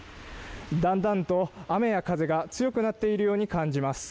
だんだんと雨や風が強くなっているように感じます。